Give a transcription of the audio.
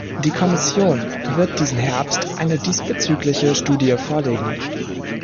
Die Kommission wird diesen Herbst eine diesbezügliche Studie vorlegen.